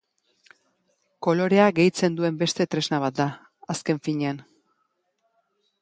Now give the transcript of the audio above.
Kolorea gehitzen duen beste tresna bat da, azken finean.